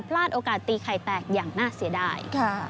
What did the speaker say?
โอกาสตีไข่แตกอย่างน่าเสียดาย